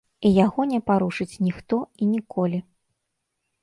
І яго не парушыць ніхто і ніколі.